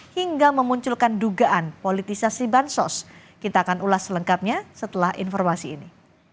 hingga memunculkan dugaan politisasi bansos kita akan ulas selengkapnya setelah informasi ini